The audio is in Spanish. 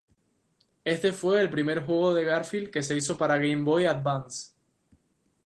Este fue el primer juego de Garfield que se hizo para Game Boy Advance.